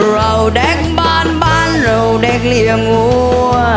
เราแดงบานบานเราแดกเลี่ยงว้า